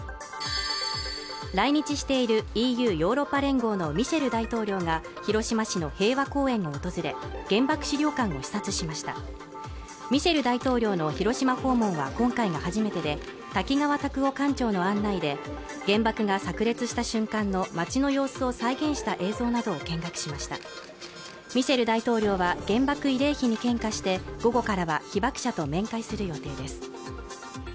来日しているＥＵ＝ヨーロッパ連合のミシェル大統領が広島市の平和公園を訪れ原爆資料館を視察しましたミシェル大統領の広島訪問は今回が初めてで滝川卓男館長の案内で原爆が炸裂した瞬間の街の様子を再現した映像などを見学しましたミシェル大統領は原爆慰霊碑に献花して午後からは被爆者と面会する予定です